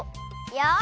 よし。